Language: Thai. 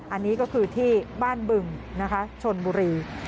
อันนี้ก็คือที่บ้านบึงนะคะชนบุรี